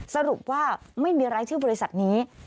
สรุปว่าไม่มีรายชื่อบริษัทนี้